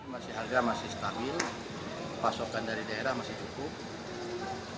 masih harga masih stabil pasokan dari daerah masih cukup